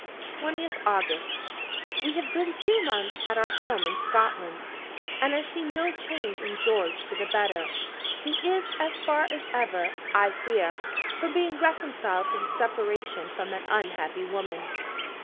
"20th August. We have been two months at our home in Scotland, and I see no change in George for the better. He is as far as ever, I fear, from being reconciled to his separation from that unhappy woman.